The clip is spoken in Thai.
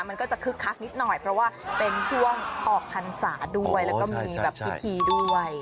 มันก็จะคึกคักนิดหน่อยเพราะว่าเป็นช่วงออกพรรษาด้วยแล้วก็มีแบบพิธีด้วย